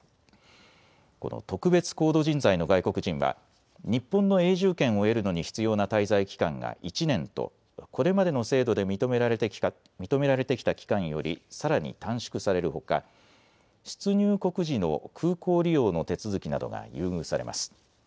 この特別高度人材の外国人は日本の永住権を得るのに必要な滞在期間が１年とこれまでの制度で認められてきた期間よりさらに短縮されるほか出入国時の空港利用の手続きなどが優遇されます。